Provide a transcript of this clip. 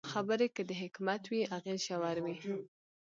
خبرې که د حکمت وي، اغېز ژور وي